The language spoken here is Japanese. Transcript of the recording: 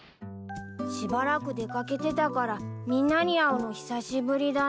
しばらく出掛けてたからみんなに会うの久しぶりだなぁ。